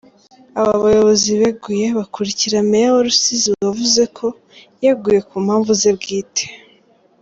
Aba bayobozi beguye bakurikira Meya wa Rusizi wavuze ko yeguye ku mpamvu ze bwite.